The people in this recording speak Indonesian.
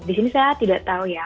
disini saya tidak tahu ya